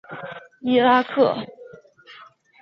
布林库姆是德国下萨克森州的一个市镇。